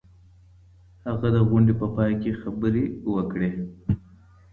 هغه د غونډې په پای کي خبري وکړې.